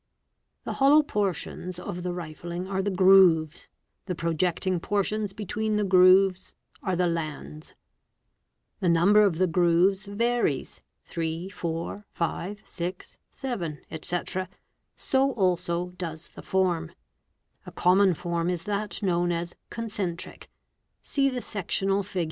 The hollow portions of the rifling are the 6é grooves," the projecting portions between the grooves are the "lands." The d u number of the grooves varies, 3,4, 5,6,7, ete., so also i does the form. A common form is that known as— Cc "concentric," see the sectional Fig.